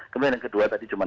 kemudian yang kedua tadi cuma